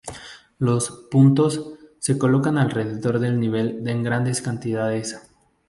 Los "puntos" se colocan alrededor del nivel en grandes cantidades.